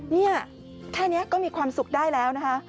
นี่แค่นี้ก็มีความสุขได้แล้วนะคะ